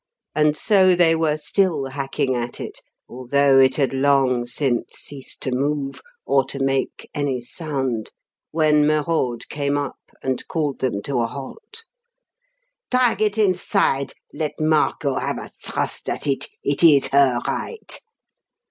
And so they were still hacking at it although it had long since ceased to move, or to make any sound when Merode came up and called them to a halt. "Drag it inside; let Margot have a thrust at it it is her right.